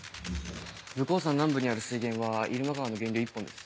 武甲山南部にある水源は入間川の源流１本です。